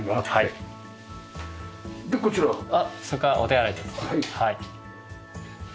そこはお手洗いです。